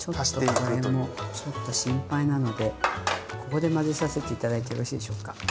これもちょっと心配なのでここで混ぜさせていただいてよろしいでしょうか。